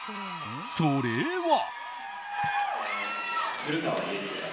それは。